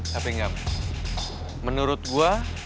tapi enggak menurut gue